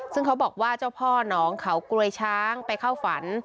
ซึ่งเขาบอกว่าเจ้าพ่อหนองเขากรวยช้างไปเข้าฝัน